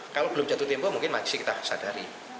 kalau belum jatuh tempo mungkin masih kita sadari